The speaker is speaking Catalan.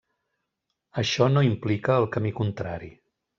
Això no implica el camí contrari.